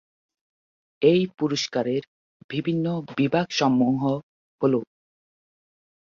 এই পুরস্কারের বিভিন্ন বিভাগসমূহ হল